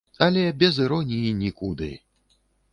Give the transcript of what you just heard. Але, без іроніі нікуды!